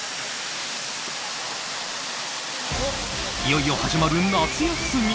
いよいよ始まる夏休み。